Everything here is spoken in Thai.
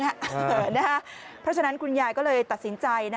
เพราะฉะนั้นคุณยายก็เลยตัดสินใจ